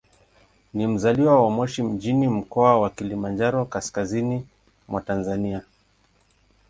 Ni mzaliwa wa Moshi mjini, Mkoa wa Kilimanjaro, kaskazini mwa Tanzania.